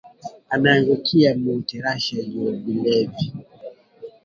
Anaangukiya mu terashe juya bulevi